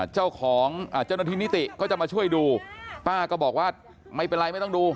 เจ้าหน้าที่นิติก็จะมาช่วยดูป้าก็บอกว่าไม่เป็นไรไม่ต้องดู